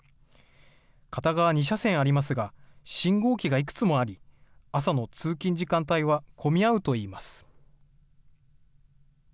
片側２車線ありますが、信号機がいくつもあり、朝の通勤時間帯は混み合うといいます。